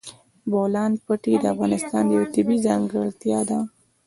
د بولان پټي د افغانستان یوه طبیعي ځانګړتیا ده.